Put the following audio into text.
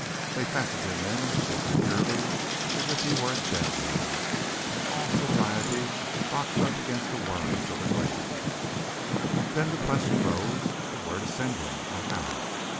They fastened him in as securely as if he were a dead man, in all sobriety, boxed up againt the worms of the grave. Then the question rose of where to send him, and how.